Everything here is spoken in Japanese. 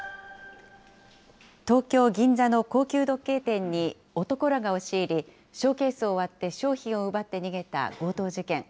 東京・銀座の高級時計店に男らが押し入り、ショーケースを割って商品を奪って逃げた強盗事件。